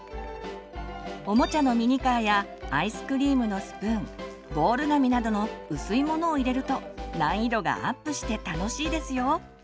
おもちゃのミニカーやアイスクリームのスプーンボール紙などの薄いものを入れると難易度がアップして楽しいですよ。